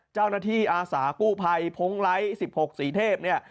เจ้าหน้าที่อาสากู้ภัยพงไลท์๑๖สีเทพเนี่ย